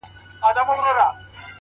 خود به يې اغزی پرهر _ پرهر جوړ کړي _